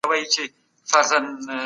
ابن خلدون د اسلامي نړۍ مخور عالم دی.